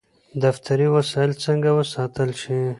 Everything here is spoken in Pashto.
دفتري وسایل څنګه وساتل شي؟